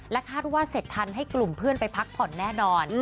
คาดว่าเสร็จทันให้กลุ่มเพื่อนไปพักผ่อนแน่นอน